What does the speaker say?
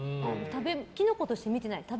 キノコとして見てない？